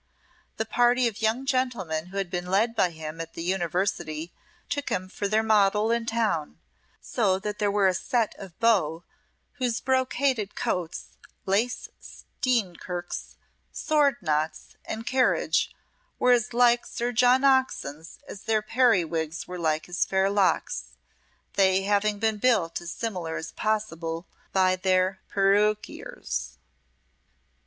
The party of young gentlemen who had been led by him at the University took him for their model in town, so that there were a set of beaux whose brocaded coats, lace steenkirks, sword knots, and carriage were as like Sir John's as their periwigs were like his fair locks, they having been built as similar as possible by their peruquiers.